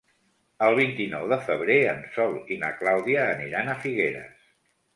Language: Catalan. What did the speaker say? El vint-i-nou de febrer en Sol i na Clàudia aniran a Figueres.